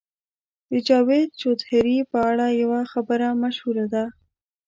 د جاوید چودهري په اړه یوه خبره مشهوره ده.